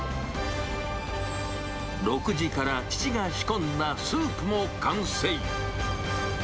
６時から父が仕込んだスープも完成。